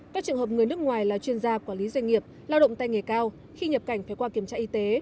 các trường hợp người nước ngoài là chuyên gia quản lý doanh nghiệp lao động tay nghề cao khi nhập cảnh phải qua kiểm tra y tế